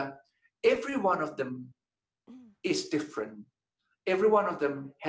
setiap produk berbeda